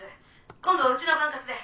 今度はうちの管轄で。